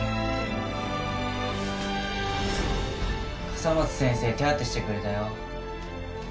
笠松先生手当てしてくれたよ。